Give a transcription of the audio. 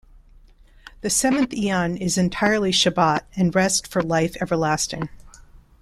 The seventh eon is entirely Shabbat and rest for life everlasting.